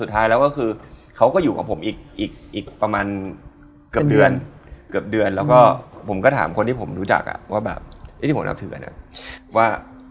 แต่ถ้าเราไปอยู่ในสถานการณ์แบบนั้นอะ